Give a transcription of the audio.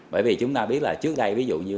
bởi vì chúng ta biết là trước đây ví dụ như